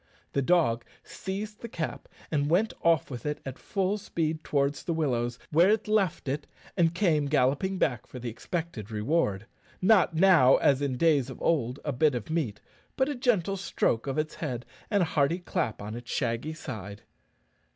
The dog seized the cap, and went off with it at full speed towards the willows, where it left it, and came galloping back for the expected reward not now, as in days of old, a bit of meat, but a gentle stroke of its head and a hearty clap on its shaggy side.